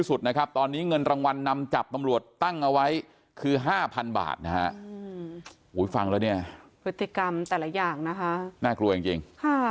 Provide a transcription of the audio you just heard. อุ้ยฟังแล้วเนี่ยพฤติกรรมแต่ละอย่างนะคะน่ากลัวจริง